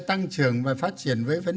tập trung vào một mươi năm gần đây